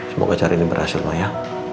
semoga cari ini berhasil mah ya